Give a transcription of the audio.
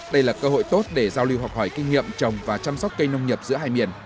đây là cơ hội tốt để giao lưu học hỏi kinh nghiệm trồng và chăm sóc cây nông nghiệp giữa hai miền